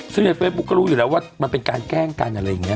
ซึ่งด้วยเฟซบุ๊กก็รู้ดูแลวด๋วบันเป็นการแกล้งกันอะไรอย่างนี้